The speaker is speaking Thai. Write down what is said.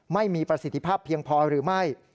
ไม่มีประสิทธิภาพเพียงพอหรือไม่